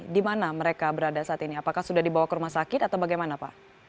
di mana mereka berada saat ini apakah sudah dibawa ke rumah sakit atau bagaimana pak